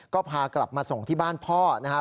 ก็พากลับมาส่งที่บ้านพ่อนะครับ